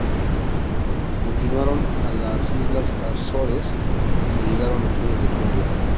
Continuaron a las islas Azores, donde llegaron a fines de julio.